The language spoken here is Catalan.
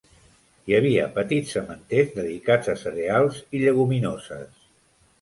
Hi havia petits sementers dedicats a cereals i lleguminoses.